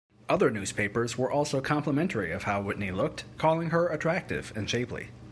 Other newspapers were also complimentary of how Whitney looked, calling her attractive and shapely.